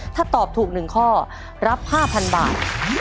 ถ้าตอบถูก๑ข้อรับ๕๐๐๐บาท